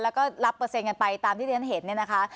แล้วก็รับเปอร์เซ็นต์กันไปตามที่เรียนเห็นเนี่ยนะคะ